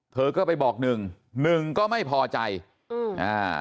เธอก็ไปบอกหนึ่งหนึ่งก็ไม่พอใจอืมอ่า